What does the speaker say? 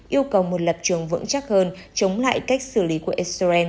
yêu cầu một lập trường vững chắc hơn chống lại cách xử lý của israel